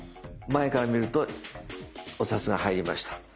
前から見るとお札が入りました。